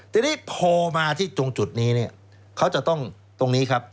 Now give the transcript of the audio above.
ทีนี้พอมาที่ตรงจุดนี้เนี่ยเขาจะต้องตรงนี้ครับ